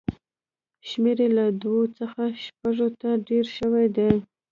شمېر یې له دوو څخه شپږو ته ډېر شوی و.